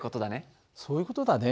そういう事だね。